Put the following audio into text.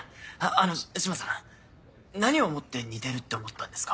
あの島さん何をもって似てるって思ったんですか？